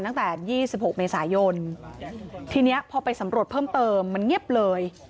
ตั้งแต่๒๖เมษายนทีนี้พอไปสำรวจเพิ่มเติมมันเงียบเลย